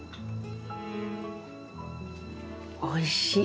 おいしい。